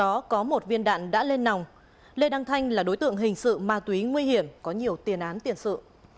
trong đó có một viên đạn đã lên nòng lê đăng thanh là đối tượng hình sự ma túy nguy hiểm có nhiều tiền án tiền sự